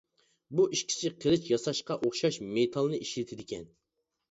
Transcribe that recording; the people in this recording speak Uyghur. بۇ ئىككىسى قىلىچ ياساشقا ئوخشاش مېتالنى ئىشلىتىدىكەن.